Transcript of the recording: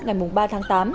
ngày ba tháng tám